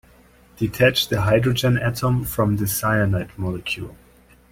Detach the hydrogen atom from the cyanide molecule.